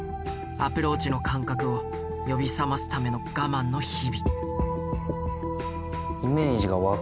アプローチの感覚を呼び覚ますための我慢の日々。